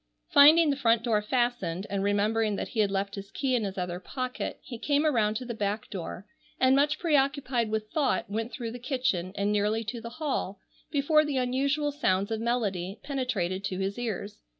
Finding the front door fastened, and remembering that he had left his key in his other pocket, he came around to the back door, and much preoccupied with thought went through the kitchen and nearly to the hall before the unusual sounds of melody penetrated to his ears.